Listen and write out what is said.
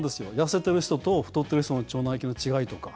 痩せてる人と太ってる人の腸内菌の違いとか。